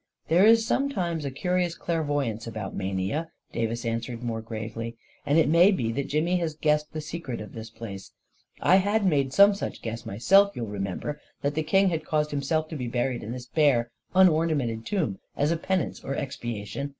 " 44 There is sometimes a curious clairvoyance about mania," Davis answered, more gravely, " and it may be that Jimmy has guessed the secret of this place. 270 A KING IN BABYLON I had made some such guess myself — you'll re member — that the king had caused himself to be buried in this bare, unornamented tomb as a penance or expiation.